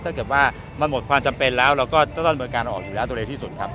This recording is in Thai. ถ้าเกิดว่ามันหมดความจำเป็นแล้วเราก็ต้องดำเนินการออกอยู่แล้วโดยเร็วที่สุดครับ